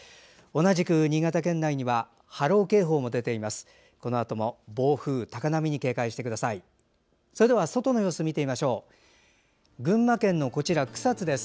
同じく新潟県内には波浪警報も出ています。